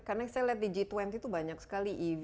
karena saya lihat di g dua puluh itu banyak sekali ev